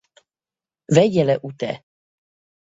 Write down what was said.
Vegyjele Ute.